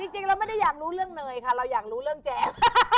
จริงเราไม่ได้อยากรู้เรื่องเนยค่ะเราอยากรู้เรื่องแจ๊ก